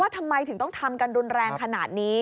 ทำไมถึงต้องทำกันรุนแรงขนาดนี้